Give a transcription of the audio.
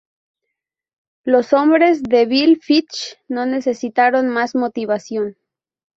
Los hombres de Bill Fitch no necesitaron más motivación.